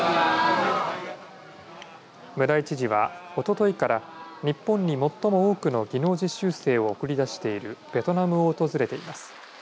村井知事は、おとといから日本に最も多くの技能実習生を送り出しているベトナムを訪れています。